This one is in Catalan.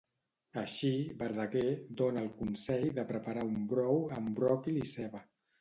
Així, Verdaguer dona el consell de preparar un brou amb bròquil i ceba.